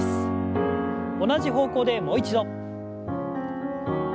同じ方向でもう一度。